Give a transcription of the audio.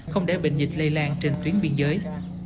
không để bệnh dịch lây lan trên tuyến biên giới